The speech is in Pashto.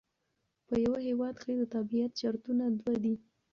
په یوه هیواد کښي د تابیعت شرطونه دوه دي.